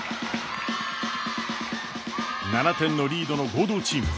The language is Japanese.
７点のリードの合同チーム。